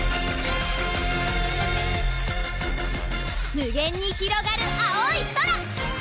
無限にひろがる青い空！